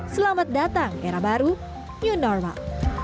selamat datang era baru new normal